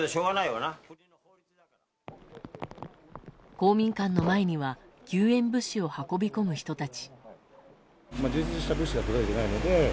公民館の前には救援物資を運び込む人たち。